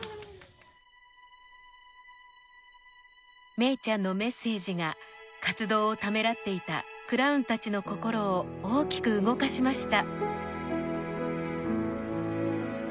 めいちゃんのメッセージが活動をためらっていたクラウンたちの心を大きく動かしました。